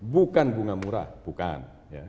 bukan bunga murah bukan